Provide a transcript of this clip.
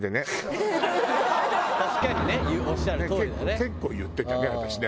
結構言ってたね